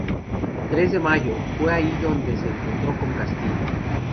Tres de Mayo, fue ahí donde se encontró con Castillo.